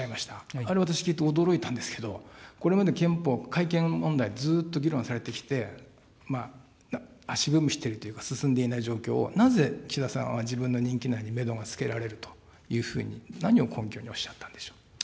あれ、私聞いて驚いたんですけれども、これまで憲法、改憲問題、ずっと議論されてきて、足踏みしているというか、進んでいないという状況を、なぜ岸田さんは自分の任期内にメドがつけられるというふうに、何を根拠におっしゃっ